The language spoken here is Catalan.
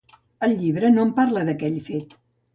El llibre no en parla, d'aquell fet.